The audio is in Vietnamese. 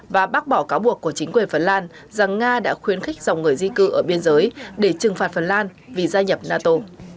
và bác bỏ cáo buộc của chính quyền phần lan rằng nga đã khuyến khích dòng người di cư ở biên giới để trừng phạt phần lan vì gia nhập nato